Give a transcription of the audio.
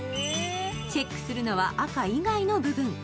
チェックするのは、赤以外の部分。